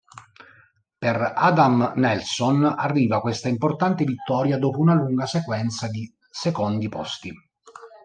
Per Adam Nelson arriva questa importante vittoria dopo una lunga sequenza di secondi posti.